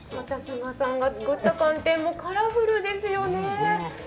菅さんが作った寒天もカラフルですよね。